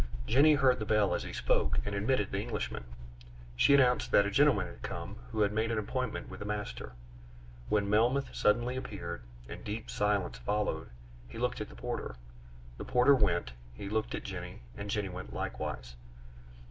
Jenny heard the bell as he spoke, and admitted the Englishman. She announced that "a gentleman had come who had made an appointment with the master," when Melmoth suddenly appeared, and deep silence followed. He looked at the porter the porter went; he looked at Jenny and Jenny went likewise.